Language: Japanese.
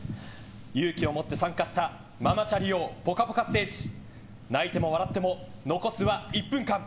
勇気をもって参加したママチャリ王ぽかぽかステージ泣いても笑っても残すは１分間。